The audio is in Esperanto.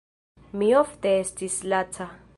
Mi ofte estis laca.